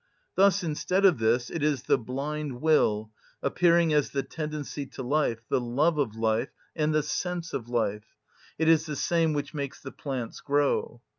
Thus instead of this it is the blind will, appearing as the tendency to life, the love of life, and the sense of life; it is the same which makes the plants grow.